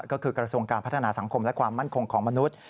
ก็คือกระทรวงการพัฒนาสังคมและความมั่นคงของมนุษย์